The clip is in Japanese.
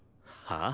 はあ？